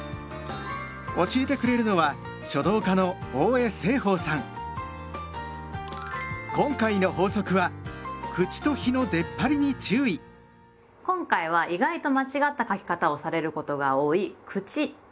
教えてくれるのは今回の法則は今回は意外と間違った書き方をされることが多い「口」という字です。